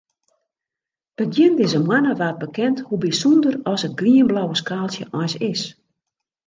Begjin dizze moanne waard bekend hoe bysûnder as it grienblauwe skaaltsje eins is.